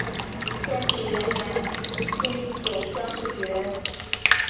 天启元年辛酉乡试举人。